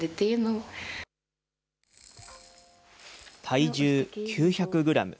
体重９００グラム。